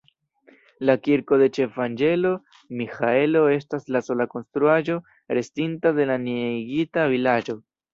La Kirko de Ĉefanĝelo Miĥaelo estas la sola konstruaĵo, restinta de la neniigita vilaĝo.